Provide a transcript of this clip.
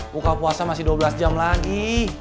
buka puasa masih dua belas jam lagi